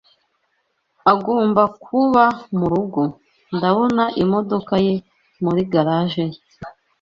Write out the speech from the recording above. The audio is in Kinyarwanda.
Agomba kuba murugo. Ndabona imodoka ye muri garage ye.